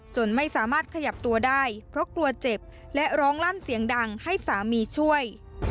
จนไม่สามารถขยับตัวได้เพราะกลัวเจ็บและร้องลั่นเสียงดังให้สามีช่วย